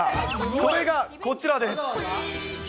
それがこちらです。